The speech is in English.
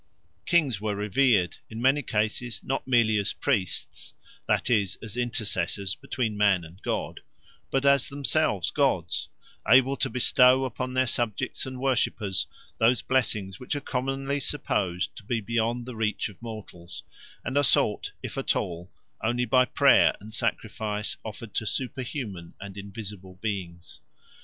Kings were revered, in many cases not merely as priests, that is, as intercessors between man and god, but as themselves gods, able to bestow upon their subjects and worshippers those blessings which are commonly supposed to be beyond the reach of mortals, and are sought, if at all, only by prayer and sacrifice offered to superhuman and invisible beings.